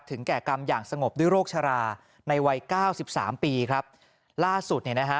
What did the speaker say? แก่กรรมอย่างสงบด้วยโรคชราในวัยเก้าสิบสามปีครับล่าสุดเนี่ยนะฮะ